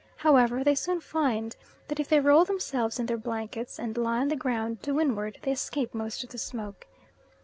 However, they soon find that if they roll themselves in their blankets, and lie on the ground to windward they escape most of the smoke.